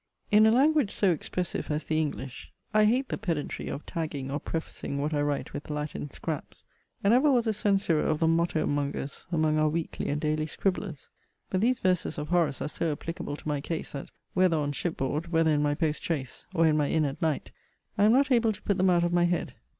In a language so expressive as the English, I hate the pedantry of tagging or prefacing what I write with Latin scraps; and ever was a censurer of the motto mongers among our weekly and daily scribblers. But these verses of Horace are so applicable to my case, that, whether on ship board, whether in my post chaise, or in my inn at night, I am not able to put them out of my head.